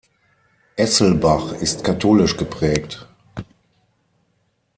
Esselbach ist katholisch geprägt.